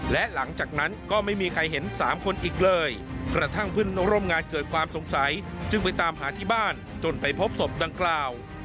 และหลังจากนั้นก็ไม่มีใครเห็นสามคนอีกเลยกระทั่งเพื่อนร่วมงานเกิดความสงสัยจึงไปตามหาที่บ้านจนไปพบศพดังกล่าว